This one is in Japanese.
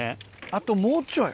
あともうちょい。